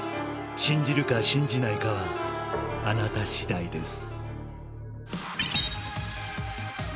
信じるか信じないかはあなたしだいです。